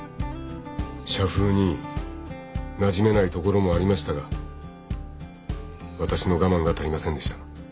社風になじめないところもありましたがわたしの我慢が足りませんでした。